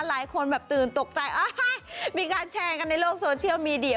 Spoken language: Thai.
หลายคนแบบตื่นตกใจมีการแชร์กันในโลกโซเชียลมีเดีย